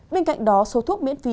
bên cạnh đó số thuốc miễn phí